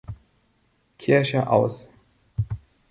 Kirche aus.